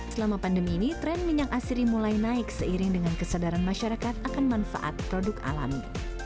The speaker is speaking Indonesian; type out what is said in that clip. selama pandemi ini tren minyak asiri mulai naik seiring dengan kesadaran masyarakat akan manfaat produk alami